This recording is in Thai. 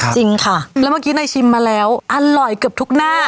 จริงค่ะแล้วเมื่อกี้นายชิมมาแล้วอร่อยเกือบทุกหน้า